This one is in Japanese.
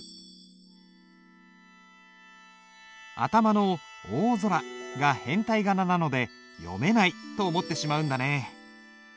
頭の「おほぞら」が変体仮名なので「読めない」と思ってしまうんだね。